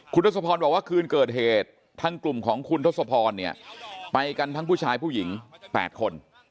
คุณทศพรบอกว่าคืนเกิดเหตุทางกลุ่มของคุณทศพรเนี่ยไปกันทั้งผู้ชายผู้หญิง๘คน